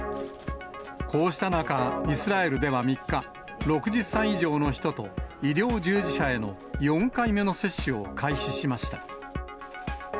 こうした中、イスラエルでは３日、６０歳以上の人と医療従事者への４回目の接種を開始しました。